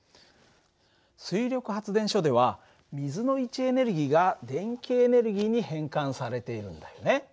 水力発電所では水の位置エネルギーが電気エネルギーに変換されているんだよね。